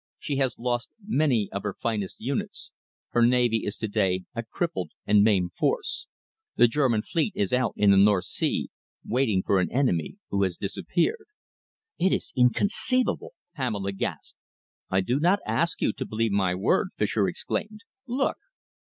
She has lost many of her finest units. Her Navy is to day a crippled and maimed force. The German fleet is out in the North Sea, waiting for an enemy who has disappeared." "It is inconceivable," Pamela gasped. "I do not ask you to believe my word," Fischer exclaimed. "Look!"